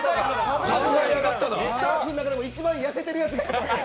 スタッフの中でも一番痩せてるやつがやってた。